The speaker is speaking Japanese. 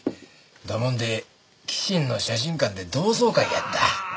だもんでキシンの写真館で同窓会やった。